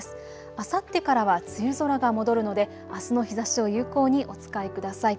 あさってからは梅雨空が戻るのであすの日ざしを有効にお使いください。